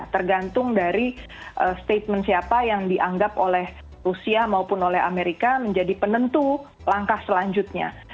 tergantung dari statement siapa yang dianggap oleh rusia maupun oleh amerika menjadi penentu langkah selanjutnya